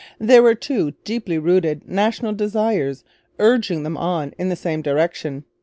There were two deeply rooted national desires urging them on in the same direction.